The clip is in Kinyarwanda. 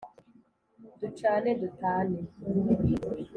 ducane dutane!”